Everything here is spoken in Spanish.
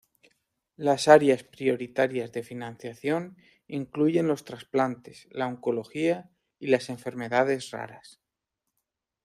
Las áreas prioritarias de financiación incluyen los trasplantes, la oncología y las enfermedades raras.